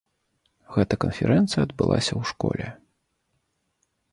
Гэта канферэнцыя адбылася ў школе.